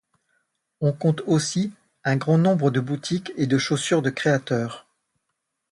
On compte aussi un grand nombre de boutiques de chaussures de créateurs.